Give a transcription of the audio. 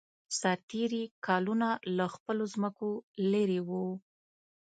سرتېري کلونه له خپلو ځمکو لېرې وو.